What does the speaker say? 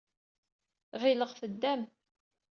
Ɣileɣ teddam.